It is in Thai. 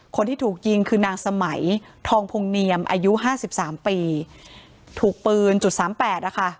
คนที่ถูกยิงคือนางสมัยทองพงเนียมอายุห้าสิบสามปีถูกปืนจุดสามแปดนะคะ